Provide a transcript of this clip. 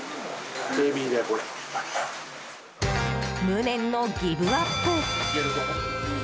無念のギブアップ。